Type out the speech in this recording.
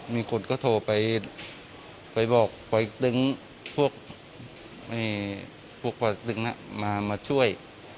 มีคนก็โทรไปไปบอกปล่อยตึงพวกเอ่ยพวกปล่อยตึงอะมามาช่วย